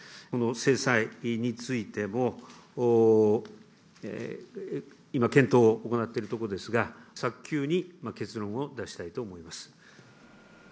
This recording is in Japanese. この制裁についても、今、検討を行っているところですが、早急に結論を出したいと思います。